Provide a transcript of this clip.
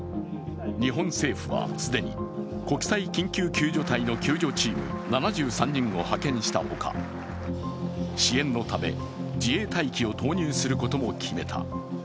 日本政府は、既に国際緊急救助隊の救助チーム７３人を派遣したほか、支援のため、自衛隊機を投入することも決めた。